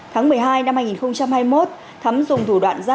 tháng một mươi hai năm hai nghìn hai mươi một thắm dùng thủ đoạn gian